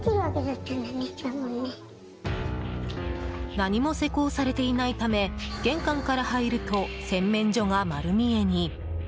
何も施工されていないため玄関から入ると洗面所が丸見えに。